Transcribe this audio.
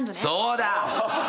そうだ！